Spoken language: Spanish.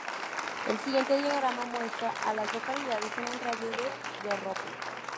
El siguiente diagrama muestra a las localidades en un radio de de Roper.